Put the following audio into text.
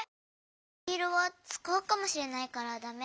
みどりいろはつかうかもしれないからダメ。